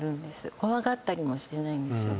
怖がったりもしてないんですよね